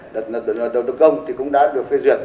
luật đầu tư công cũng đã được phê duyệt